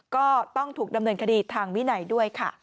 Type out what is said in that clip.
ก็ต้องถูกดำเนินคดีทางวินัยด้วยค่ะ